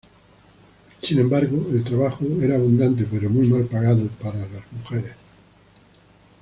Sin embargo, el trabajo era abundante pero muy mal pagado para mujeres.